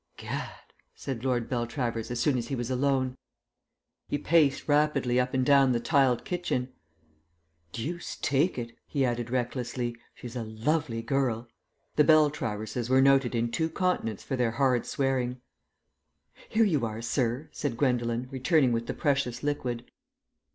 "Gad," said Lord Beltravers as soon as he was alone. He paced rapidly up and down the tiled kitchen. "Deuce take it," he added recklessly, "she's a lovely girl." The Beltraverses were noted in two continents for their hard swearing. "Here you are, sir," said Gwendolen, returning with the precious liquid.